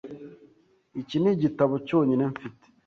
Iki nigitabo cyonyine mfite .